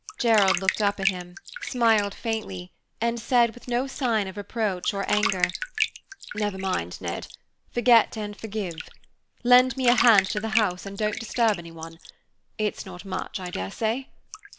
Gerald looked up at him, smiled faintly, and said, with no sign of reproach or anger, "Never mind, Ned. Forgive and forget. Lend me a hand to the house, and don't disturb anyone. It's not much, I dare say."